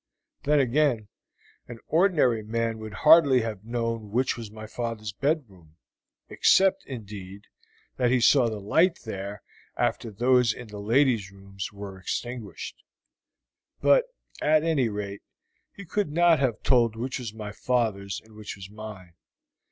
Then, again, an ordinary man would hardly have known which was my father's bedroom, except, indeed, that he saw the light there after those in the ladies' rooms were extinguished; but, at any rate, he could not have told which was my father's and which was mine.